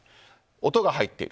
音が入っている。